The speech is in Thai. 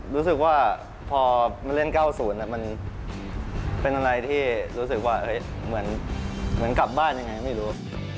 รู้สึกว่าพอมาเล่น๙๐มันเป็นอะไรที่รู้สึกว่าเหมือนกลับบ้านยังไงไม่รู้